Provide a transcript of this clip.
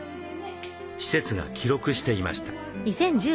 施設が記録していました。